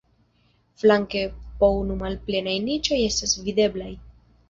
Flanke po unu malplenaj niĉoj estas videblaj.